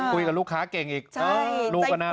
คุยกับลูกค้าเก่งอีกลูกก็น่า